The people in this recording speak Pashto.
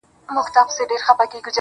• د ژوندون ساه د ژوند وږمه ماته كړه.